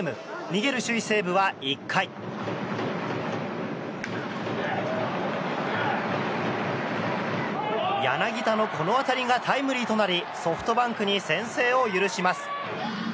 逃げる首位、西武は１回柳田のこの当たりがタイムリーとなりソフトバンクに先制を許します。